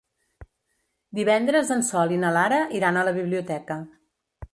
Divendres en Sol i na Lara iran a la biblioteca.